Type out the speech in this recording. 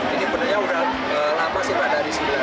ini benarnya sudah lama sih pada disini